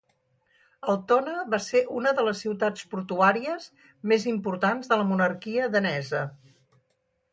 Altona va ser una de les ciutats portuàries més importants de la monarquia danesa.